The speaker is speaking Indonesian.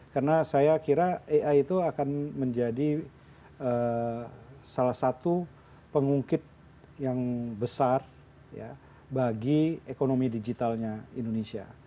karena saya kira ai itu akan menjadi salah satu pengungkit yang besar bagi ekonomi digitalnya indonesia